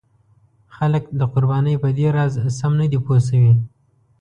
خلک د قربانۍ په دې راز سم نه دي پوه شوي.